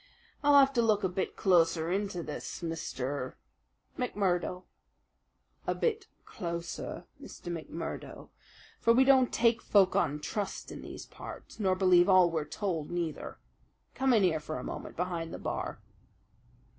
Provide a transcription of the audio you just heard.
"I'll have to look a bit closer into this, Mister " "McMurdo." "A bit closer, Mr. McMurdo; for we don't take folk on trust in these parts, nor believe all we're told neither. Come in here for a moment, behind the bar."